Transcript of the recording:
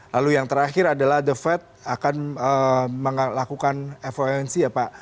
lalu yang terakhir adalah the fed akan melakukan fonc ya pak